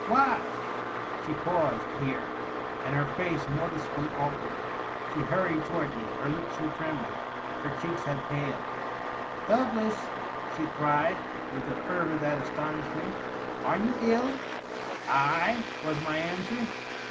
Why .. f' She paused, here, and her face noticeably altered. She hurried toward me ; her lips were trembling ; her cheeks had paled. " Doug las !" she cried, with a fervor that astonished me. " Are you ill?" " I ?" was my answer.